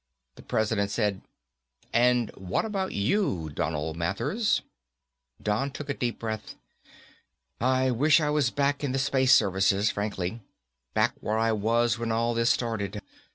The President said, "And what about you, Donal Mathers?" Don took a deep breath. "I wish I was back in the Space Services, frankly. Back where I was when all this started.